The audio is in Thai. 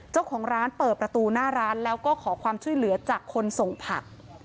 เจ้าของร้านเปิดประตูหน้าร้านแล้วก็ขอความช่วยเหลือจากคนส่งผัก